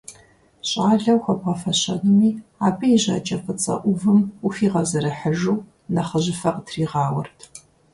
ЩӀалэу хуэбгъэфэщэнуми, абы и жьакӀэ фӀыцӀэ Ӏувым, ухигъэзэрыхьыжу, нэхъыжьыфэ къытригъауэрт.